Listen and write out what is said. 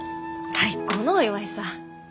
最高のお祝いさ。